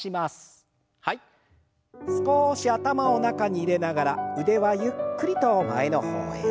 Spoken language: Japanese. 少し頭を中に入れながら腕はゆっくりと前の方へ。